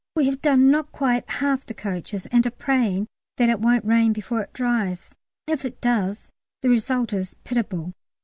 We have done not quite half the coaches, and are praying that it won't rain before it dries; if it does, the result is pitiable.